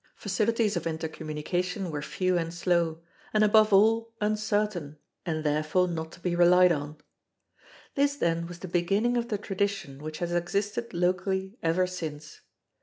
Facilities of intercommunication were few and slow; and above all uncertain and therefore not to be relied on. This then was the beginning of the tradition which has existed locally ever since.